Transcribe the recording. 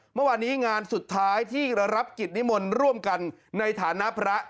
เมื่อวานนี้งานสุดท้ายที่รับกิจนิมนต์ร่วมกันในฐานะพระ